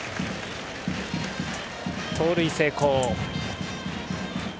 盗塁成功。